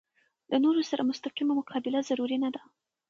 د نورو سره مستقیمه مقابله ضروري نه ده.